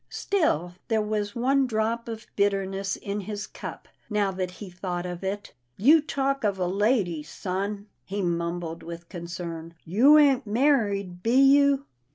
Still there was one drop of bitterness in his cup, now that he thought of it. " You talk of a lady, son," he mumbled with concern. " You ain't married, be you?